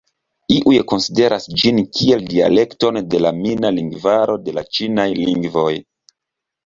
Iuj konsideras ĝin kiel dialekton de la mina lingvaro de la ĉinaj lingvoj.